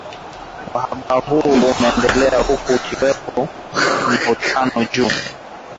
uhaba huo umeendelea huku kukiwepo mivutano juu